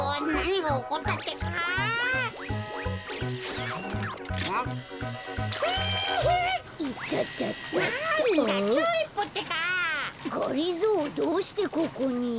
がりぞーどうしてここに？